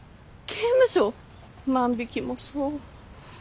刑務所？万引きもそう。